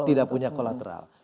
tidak punya kolateral